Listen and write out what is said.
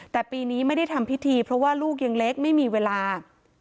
แต่ปีนี้ไม่ได้ทำพิธีเพราะว่าลูกยังเล็กไม่มีเวลา